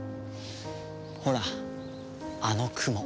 ほらあの雲。